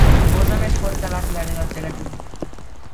Posa més forta la claredat de la llum.